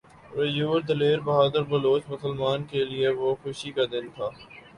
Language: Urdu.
غیور دلیر بہادر بلوچ مسلمان کے لیئے وہ خوشی کا دن تھا